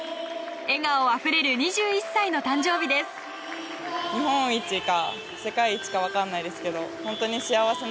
笑顔あふれる２１歳の誕生日です。